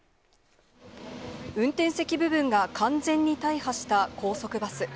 運転席部分が完全に大破した高速バス。